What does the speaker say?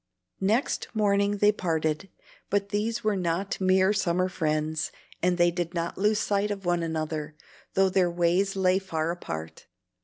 Next morning they parted; but these were not mere summer friends, and they did not lose sight of one another, though their ways lay far apart.